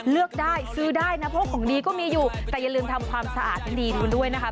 เลือกได้ซื้อได้นะเพราะของดีก็มีอยู่แต่อย่าลืมทำความสะอาดให้ดีดูด้วยนะคะ